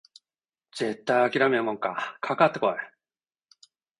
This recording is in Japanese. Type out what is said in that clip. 絶対あきらめるもんかかかってこい！